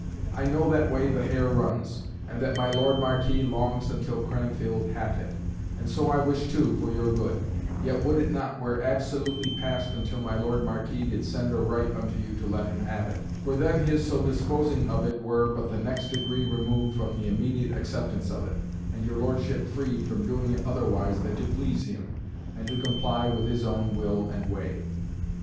I know that way the hare runs, and that my Lord Marquis longs until Cranfield hath it; and so I wish too, for your good; yet would not it were absolutely passed until my Lord Marquis did send or write unto you to let him have it; for then his so disposing of it were but the next degree removed from the immediate acceptance of it, and your Lordship freed from doing it otherwise than to please him, and to comply with his own will and way."